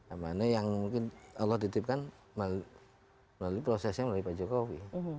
amanah yang mungkin allah titipkan melalui prosesnya melalui pak jokowi